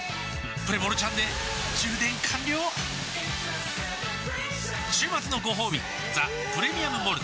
プレモルちゃんで充電完了週末のごほうび「ザ・プレミアム・モルツ」